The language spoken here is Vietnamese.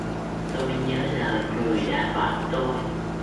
Tôi nhớ lời người đã bảo tôi